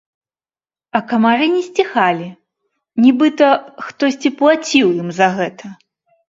А камары не сціхалі, нібыта хтосьці плаціў ім за гэта.